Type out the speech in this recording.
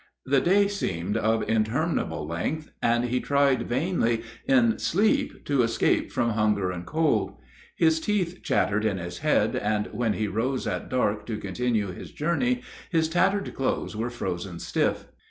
The day seemed of interminable length, and he tried vainly in sleep to escape from hunger and cold. His teeth chattered in his head, and when he rose at dark to continue his journey his tattered clothes were frozen stiff.